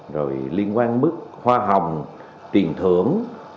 rồi liên quan mức hoa hồng tiền thưởng